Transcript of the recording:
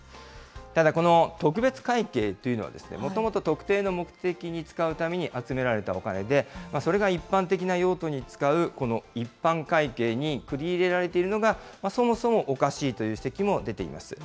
ただこの特別会計というのは、もともと特定の目的に使うために集められたお金で、それが一般的な用途に使うこの一般会計に繰り入れられているのが、そもそもおかしいという指摘も出ています。